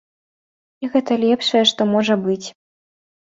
Гэта лепшае, што можа быць.